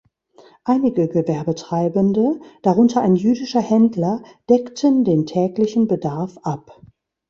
Einige Gewerbetreibende, darunter ein jüdischer Händler, deckten den täglichen Bedarf ab.